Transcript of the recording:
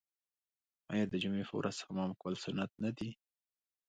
آیا د جمعې په ورځ حمام کول سنت نه دي؟